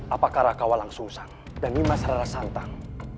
apakah rakawalang sungsang dan nimas rarasantang